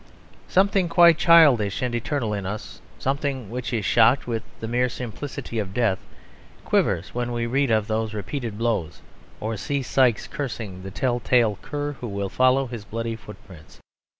Something quite childish and eternal in us, something which is shocked with the mere simplicity of death, quivers when we read of those repeated blows or see Sikes cursing the tell tale cur who will follow his bloody foot prints.